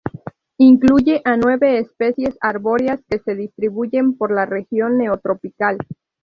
Incluye a nueve especies arbóreas que se distribuyen por la región Neotropical.